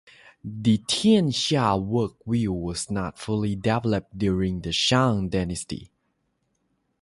The "tianxia" world view was not fully developed during the Shang dynasty.